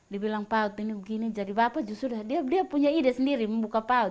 dibilang paud ini begini jadi bapak justru sudah dia punya ide sendiri membuka paud